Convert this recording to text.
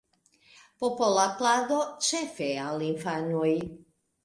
Popola plado, ĉefe al infanoj.